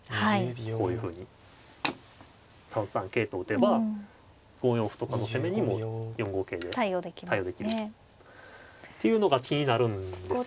こういうふうに３三桂と打てば５四歩とかの攻めにも４五桂で対応できる。っていうのが気になるんですよ。